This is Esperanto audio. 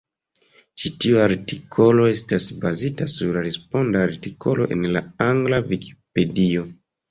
Ĉi tiu artikolo estas bazita sur la responda artikolo en la angla Vikipedio.